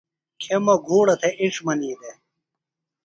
کھیموۡ گھوڑہ تھےۡ اِنڇ منی دےۡ